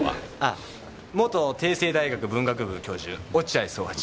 あ元帝政大学文学部教授落合惣八。